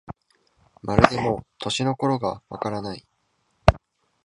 まるでもう、年の頃がわからない